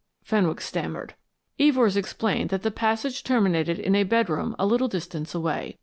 Fenwick stammered. Evors explained that the passage terminated in a bedroom a little distance away.